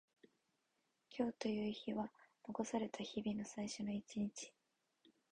今日という日は残された日々の最初の一日。